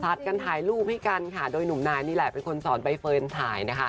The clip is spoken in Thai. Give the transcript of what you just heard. กันถ่ายรูปให้กันค่ะโดยหนุ่มนายนี่แหละเป็นคนสอนใบเฟิร์นถ่ายนะคะ